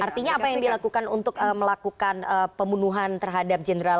artinya apa yang dilakukan untuk melakukan pembunuhan terhadap jenderal